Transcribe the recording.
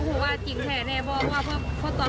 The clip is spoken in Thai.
พูดว่าคนอีกก็เห็นเม่าหรือเปล่า